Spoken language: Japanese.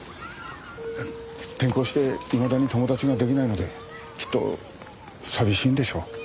転校していまだに友達ができないのできっと寂しいんでしょう。